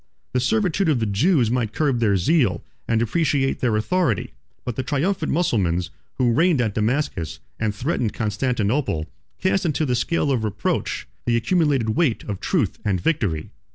The servitude of the Jews might curb their zeal, and depreciate their authority; but the triumphant Mussulmans, who reigned at Damascus, and threatened Constantinople, cast into the scale of reproach the accumulated weight of truth and victory.